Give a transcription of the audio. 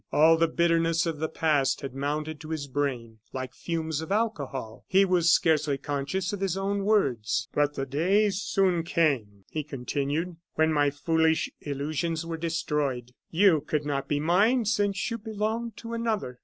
All the bitterness of the past had mounted to his brain like fumes of alcohol. He was scarcely conscious of his own words. "But the day soon came," he continued, "when my foolish illusions were destroyed. You could not be mine since you belonged to another.